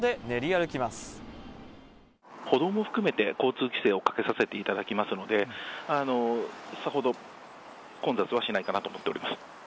歩道も含めて、交通規制をかけさせていただきますので、さほど混雑はしないかなと思っております。